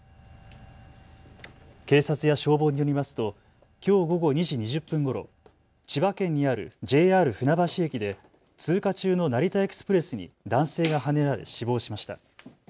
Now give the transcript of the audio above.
警察や消防によりますときょう午後２時２０分ごろ、千葉県にあるＪＲ船橋駅で通過中の成田エクスプレスに男性がはねられ死亡しました。